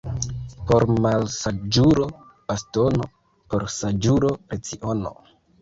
Por malsaĝulo bastono — por saĝulo leciono.